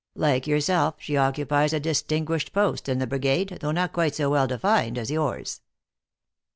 Like yourself, she occupies a distinguished post in the brigade, though not quite so well defined as yours."